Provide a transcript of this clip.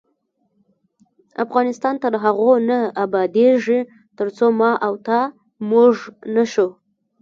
افغانستان تر هغو نه ابادیږي، ترڅو ما او تا "موږ" نشو.